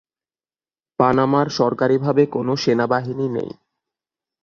পানামার সরকারীভাবে কোন সেনাবাহিনী নেই।